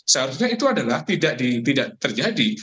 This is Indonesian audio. seharusnya itu adalah tidak terjadi